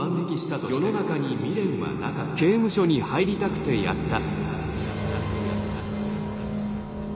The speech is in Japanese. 「世の中に未練はなかった刑務所に入りたくてやった」。